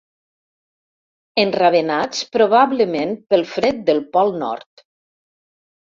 Enravenats, probablement pel fred del Pol Nord.